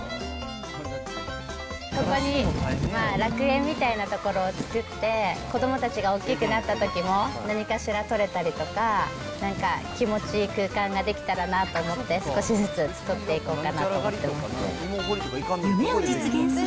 ここに楽園みたいな所を作って、子どもたちが大きくなったときも何かしら取れたりとか、なんか気持ちいい空間が出来たらなと思って、少しずつ作っていこうかなと思ってます。